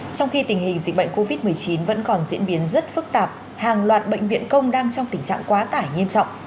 trong khi tình hình dịch bệnh covid một mươi chín vẫn còn diễn biến rất phức tạp hàng loạt bệnh viện công đang trong tình trạng quá tải nghiêm trọng